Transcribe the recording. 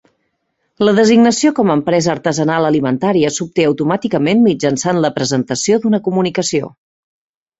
La designació com a empresa artesanal alimentària s'obté automàticament mitjançant la presentació d'una comunicació.